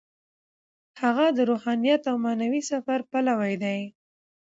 هغه د روحانیت او معنوي سفر پلوی دی.